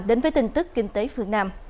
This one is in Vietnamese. đến với tin tức kinh tế phương nam